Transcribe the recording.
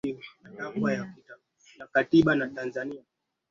waliishi pia Wayahudi wengi waliotumia hasa lugha ya Kigiriki Kwa